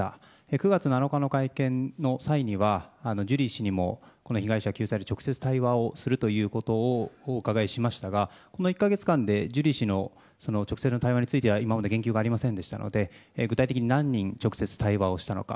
９月７日の会見の際にはジュリー氏にも被害者救済の直接対話をするということをお伺いしましたがこの１か月間でジュリー氏の直接の対話については今まで言及がありませんでしたので具体的に何人と対話をされたのか。